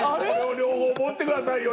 両方持ってくださいよ。